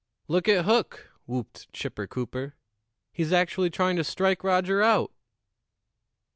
"Look at Hook!" whooped Chipper Cooper. "He's actually trying to strike Roger out!"